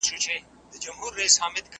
قرض د پلار هم بد دی